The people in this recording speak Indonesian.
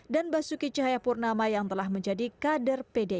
dan basuki cahayapurnama yang telah menjadi kadang kadang